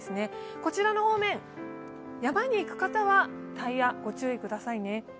こちらの方面、山に行く方はタイヤ、ご注意くださいね。